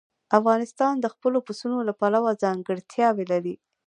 افغانستان د خپلو پسونو له پلوه ځانګړتیاوې لري.